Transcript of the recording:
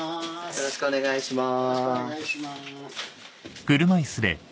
よろしくお願いします。